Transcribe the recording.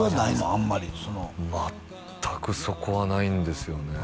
あんまりその全くそこはないんですよね